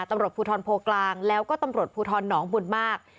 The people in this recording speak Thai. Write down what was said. ตำรวจภูทรโพกลางแล้วก็ตำรวจภูทรหนองบุญมาก